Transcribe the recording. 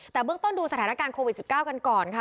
แต่เบื้องต้นดูสถานการณ์โควิด๑๙กันก่อนค่ะ